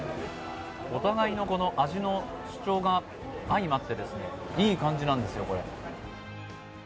お互いの味の主張が相まって、いい感じなんですよ、これ。